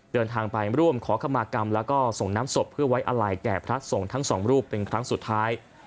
เดินทางไปร่วมขอขมากรรมแล้วก็ส่งน้ำศพเพื่อไว้อะไรแก่พระสงฆ์ทั้งสองรูปเป็นครั้งสุดท้าย